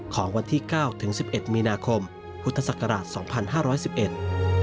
ของวันที่๙๑๑มีนาคมพุทธศักราช๒๕๑๑